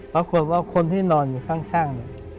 ปรากฏว่าคนที่นอนอยู่ข้าง